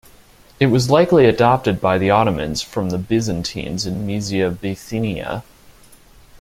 It was likely adopted by the Ottomans from the Byzantines in Mysia-Bithynia.